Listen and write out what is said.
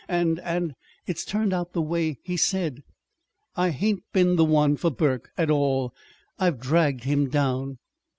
And and it's turned out the way he said. I hain't been the one for Burke at all. I've I've dragged him down."